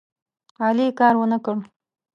علي کار ونه کړ.